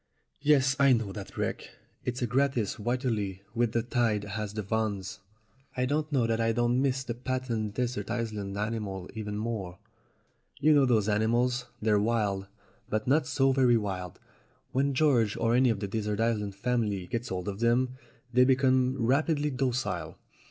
"Yes, I know that wreck. It's a gratis Whiteley, with the tide as the vans." 260 STORIES WITHOUT TEARS "I don't know that I don't miss the patent desert island's animals even more. You know those animals? They're wild, but not so very wild. When George, or any of the desert island family, gets hold of them, they become rapidly docile.